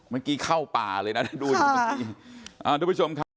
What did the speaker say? เมื่อกี้เข้าป่าเลยนะดูอยู่เมื่อกี้ทุกผู้ชมค่ะค่ะ